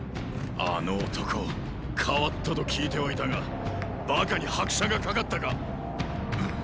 あの男変わったと聞いてはいたがバカに拍車がかかったか？